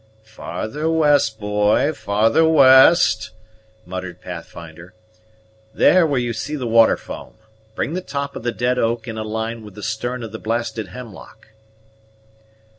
"Farther west, boy; farther west," muttered Pathfinder; "there where you see the water foam. Bring the top of the dead oak in a line with the stem of the blasted hemlock."